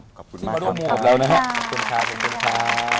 ที่มาร่วมกับเรานะฮะขอบคุณค่ะขอบคุณค่ะ